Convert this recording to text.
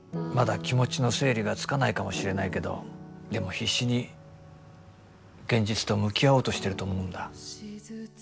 まだ気持ちの整理がつかないかもしれないけどでも必死に現実と向き合おうとしてると思うんだ。